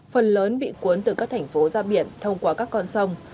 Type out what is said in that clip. phần lớn bị cuốn từ các thành phố ra biển thông qua các con sông